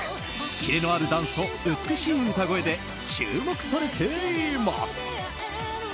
キレのあるダンスと美しい歌声で注目されています。